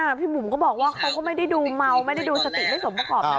พี่บุ๋มก็บอกว่าเขาก็ไม่ได้ดูเมาไม่ได้ดูสติไม่สมประกอบนะ